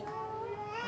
dia juga baik